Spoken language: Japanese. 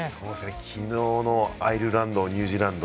昨日のアイルランド、ニュージーランド